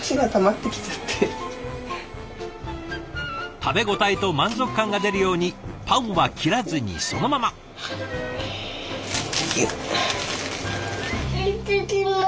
食べ応えと満足感が出るようにパンは切らずにそのまま！いってきます。